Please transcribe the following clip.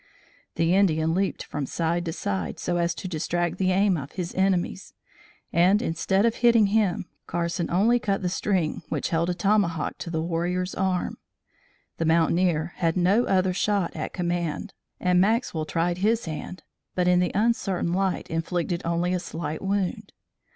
The Indian leaped from side to side, so as to distract the aim of his enemies, and, instead of hitting him, Carson only cut the string which held a tomahawk to the warrior's arm. The mountaineer had no other shot at command, and Maxwell tried his hand, but in the uncertain light, inflicted only a slight wound.